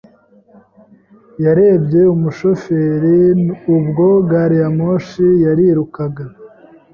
yarebye umushoferi ubwo gari ya moshi yarirukaga.